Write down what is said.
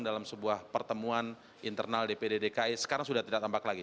dalam sebuah pertemuan internal dpd dki sekarang sudah tidak tampak lagi